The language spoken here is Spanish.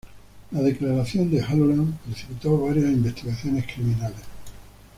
La declaración de Halloran precipitó varias investigaciones criminales.